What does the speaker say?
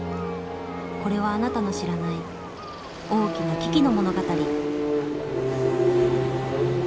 これはあなたの知らない大きな危機の物語。